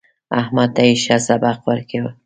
احمد ته يې ښه سبق ورکړ.